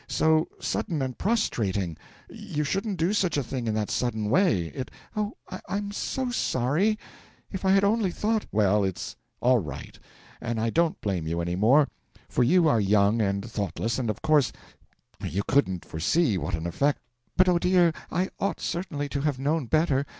So sudden and prostrating. You shouldn't do such a thing in that sudden way. It ' 'Oh, I'm so sorry! If I had only thought ' 'Well, it's all right, and I don't blame you any more, for you are young and thoughtless, and of course you couldn't foresee what an effect ' 'But oh, dear, I ought certainly to have known better.